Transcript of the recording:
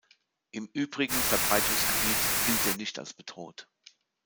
Im übrigen Verbreitungsgebiet gilt er nicht als bedroht.